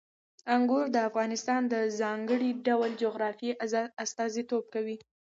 انګور د افغانستان د ځانګړي ډول جغرافیه استازیتوب کوي.